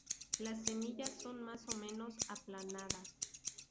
Las semillas son más o menos aplanadas.